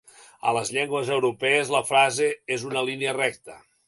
A les llengües europees la frase és una línia recta.